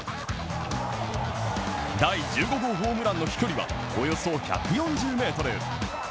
第１５号ホームランの飛距離はおよそ１４０ｍ。